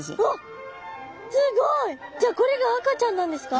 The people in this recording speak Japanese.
すごい！じゃあこれが赤ちゃんなんですか？